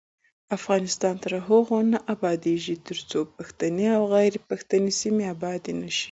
افغانستان تر هغو نه ابادیږي، ترڅو پښتني او غیر پښتني سیمې ابادې نشي.